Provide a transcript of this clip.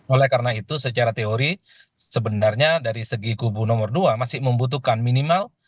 oleh karena itu secara teori sebenarnya dari segi kubu nomor dua masih membutuhkan minimal